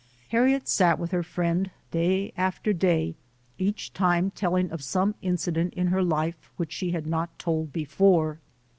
Harriet sat with her friend day after day, each time telling of some incident in her life which she had not told before.